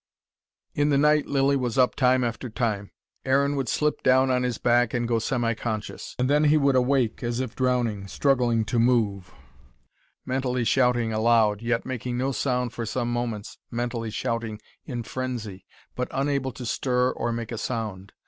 In the night Lilly was up time after time. Aaron would slip down on his back, and go semi conscious. And then he would awake, as if drowning, struggling to move, mentally shouting aloud, yet making no sound for some moments, mentally shouting in frenzy, but unable to stir or make a sound.